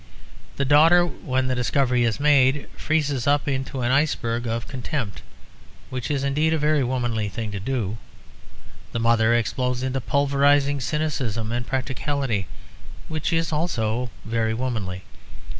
The daughter, when the discovery is made, freezes up into an iceberg of contempt; which is indeed a very womanly thing to do. The mother explodes into pulverising cynicism and practicality; which is also very womanly.